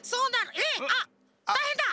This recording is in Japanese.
えっあったいへんだ！